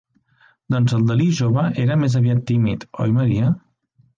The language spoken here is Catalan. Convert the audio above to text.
Doncs el Dalí jove era més aviat tímid, oi, Maria?